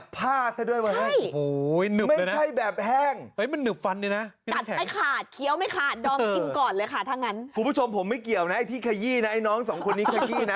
พี่ผู้ชมผมไม่เกี่ยวไอ้ไอ้น้องสองคนนี้ขี่นะ